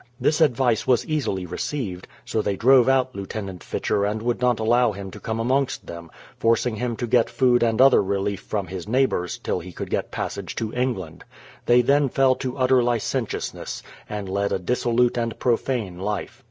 This ad vice was easily received; so they drove out Lieutenant Fitcher and would not allow him to come amongst them, forcing him to get food and other relief from his neigh bours, till he could get passage to England. They then THE PLYMOUTH SETTLEMENT 195 fell to utter licentiousness, and led a dissolute and pro fane life.